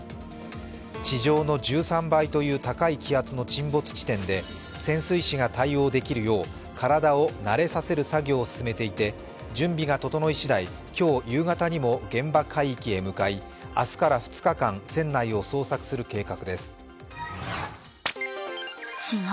地上の１３倍という高い気圧の沈没地点で潜水士が対応できるよう体を慣れさせる作業を進めていて、準備が整いしだい、今日夕方にも現場海域へ向かい、明日から２日間、船内を捜索する計画です。